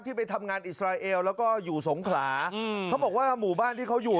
ไปทำงานอิสราเอลแล้วก็อยู่สงขลาอืมเขาบอกว่าหมู่บ้านที่เขาอยู่